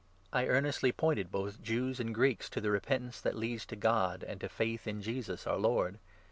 I earnestly pointed 21 both Jews and Greeks to the repentance that leads to God, and to faith in Jesus, our Lord.